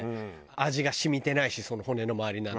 味が染みてないし骨の周りなんて。